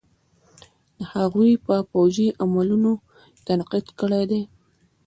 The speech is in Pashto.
د هغوئ په فوجي عملونو تنقيد کړے دے.